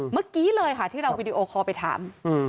เมื่อกี้เลยค่ะที่เราวีดีโอคอลไปถาม